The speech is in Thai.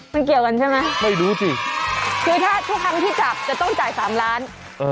มันเกี่ยวกันใช่ไหมไม่รู้สิคือถ้าทุกครั้งที่จับจะต้องจ่ายสามล้าน